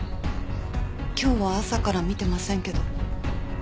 今日は朝から見てませんけど。